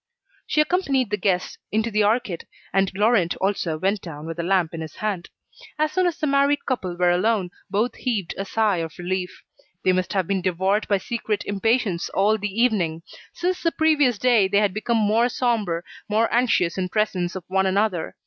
She accompanied the guests into the arcade, and Laurent also went down with a lamp in his hand. As soon as the married couple were alone, both heaved a sigh of relief. They must have been devoured by secret impatience all the evening. Since the previous day they had become more sombre, more anxious in presence of one another.